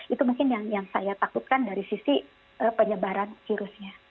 itu mungkin yang saya takutkan dari sisi penyebaran virusnya